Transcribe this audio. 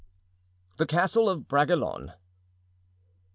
The Castle of Bragelonne.